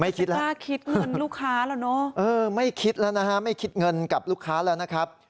ไม่คิดแล้วนะครับไม่คิดแล้วนะครับไม่คิดเงินกับลูกค้าแล้วนะครับ